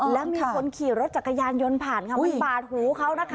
แล้วมีคนขี่รถจักรยานยนต์ผ่านค่ะมันบาดหูเขานะคะ